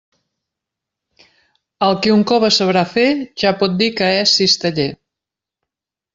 El qui un cove sabrà fer, ja pot dir que és cisteller.